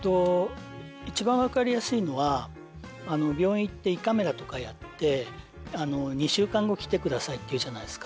一番分かりやすいのは病院行って胃カメラとかやって「２週間後来てください」って言うじゃないですか。